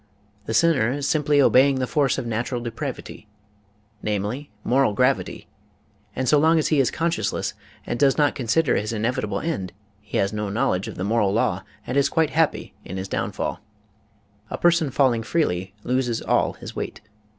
The sinner is simply obeying the force of natural depravity, namely, moral gravity, and so long as he is conscienceless and does not consider his inevitable end he has no knowledge of the moral law and is quite happy in his down fall. A person falling freely loses all his weight.